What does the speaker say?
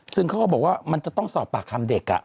ซึ่งเขาก็บอกว่ามันจะต้องสอบปากคำเด็ก